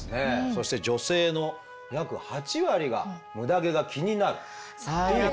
そして女性の約８割がムダ毛が気になるという答えになってるんですね。